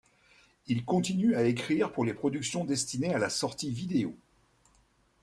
Il continue à écrire pour les productions destiné à la sortie vidéo.